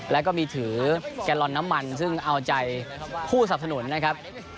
แล้วก็มีถือแกลลอนน้ำมันซึ่งเอาใจผู้สับสนุนนะครับ